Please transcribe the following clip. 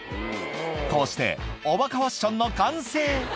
こうしておバカファッションの完成